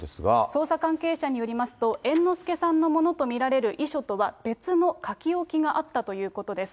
捜査関係者によりますと、猿之助さんのものと見られる遺書とは別の書き置きがあったということです。